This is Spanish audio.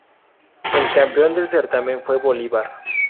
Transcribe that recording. El campeón del certamen fue Bolívar.